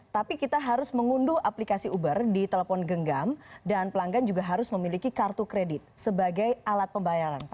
tapi kita harus mengunduh aplikasi uber di telepon genggam dan pelanggan juga harus memiliki kartu kredit sebagai alat pembayaran